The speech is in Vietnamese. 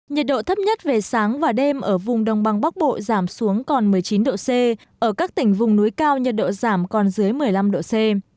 nhiệt độ thấp nhất về sáng và đêm ở vùng đông băng bắc bộ giảm xuống còn một mươi chín độ c ở các tỉnh vùng núi cao nhiệt độ giảm còn dưới một mươi năm độ c